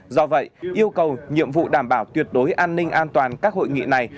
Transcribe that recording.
do vậy yêu cầu nhiệm vụ đảm bảo tuyệt đối an ninh an toàn các hội nghị này